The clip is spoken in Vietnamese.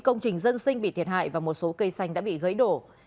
công trình dân sinh bị thiệt hại và một số cây xanh đã bị gãy đổ